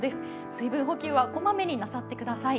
水分補給は小まめになさってください。